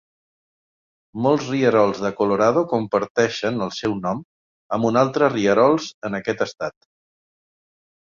Molts rierols de Colorado comparteixen el seu nom amb un altre rierols en aquest estat.